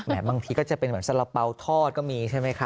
แหมบางทีก็จะเป็นแบบสละเปาทอดก็มีใช่ไหมครับ